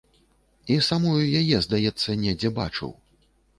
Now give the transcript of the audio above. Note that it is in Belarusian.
І самую яе, здаецца, недзе бачыў.